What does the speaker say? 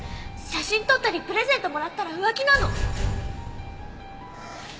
写真撮ったりプレゼントもらったら浮気なの？